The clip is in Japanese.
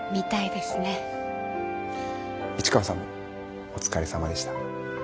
市川さんもお疲れさまでした。